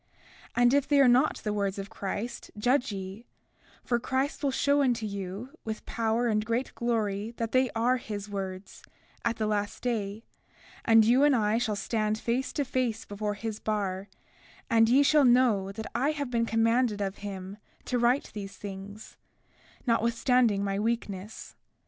33:11 And if they are not the words of Christ, judge ye—for Christ will show unto you, with power and great glory, that they are his words, at the last day; and you and I shall stand face to face before his bar; and ye shall know that I have been commanded of him to write these things, notwithstanding my weakness.